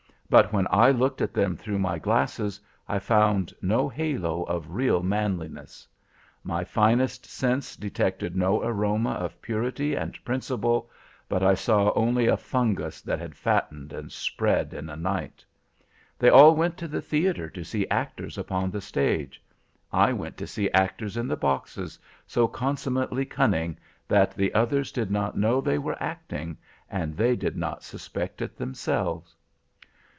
But when I looked at them through my glasses, I found no halo of real manliness. My finest sense detected no aroma of purity and principle; but I saw only a fungus that had fattened and spread in a night. They all went to the theater to see actors upon the stage. I went to see actors in the boxes, so consummately cunning, that the others did not know they were acting, and they did not suspect it themselves.